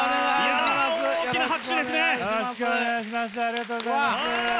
ありがとうございます。